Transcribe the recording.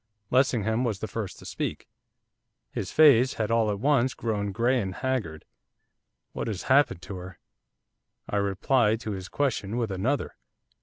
Lessingham was the first to speak, his face had all at once grown grey and haggard. 'What has happened to her?' I replied to his question with another.